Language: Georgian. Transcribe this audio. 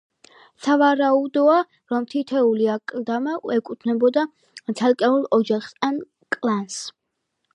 სავარაუდოა, რომ თითოეული აკლდამა ეკუთვნოდა ცალკეულ ოჯახს ან კლანს.